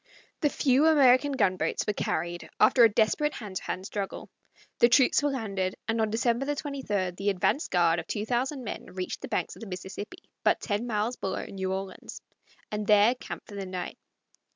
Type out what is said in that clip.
The few American gunboats were carried after a desperate hand to hand struggle, the troops were landed, and on December 23 the advance guard of two thousand men reached the banks of the Mississippi, but ten miles below New Orleans, and there camped for the night.